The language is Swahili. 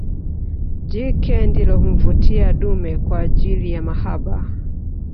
Jike ndilo humvutia dume kwaajili ya mahaba